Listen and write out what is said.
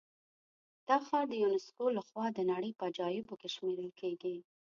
دا ښار د یونسکو له خوا د نړۍ په عجایبو کې شمېرل کېږي.